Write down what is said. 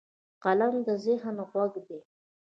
قلم د ذهن غوږ دی